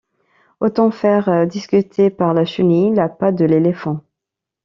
Autant faire discuter par la chenille la patte de l’éléphant.